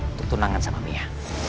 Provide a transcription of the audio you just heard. untuk tunangan sama mia